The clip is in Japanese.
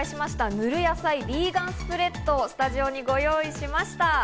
塗る野菜、ヴィーガンスプレッド、スタジオにご用意しました。